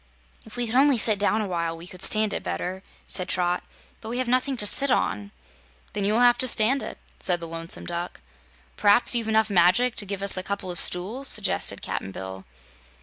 "If we could only sit down a while, we could stand it better," said Trot, "but we have nothing to sit on." "Then you will have to stand it," said the Lonesome Duck. "P'raps you've enough magic to give us a couple of stools," suggested Cap'n Bill.